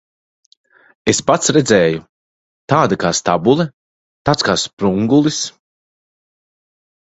Es pats redzēju. Tāda kā stabule, tāds kā sprungulis.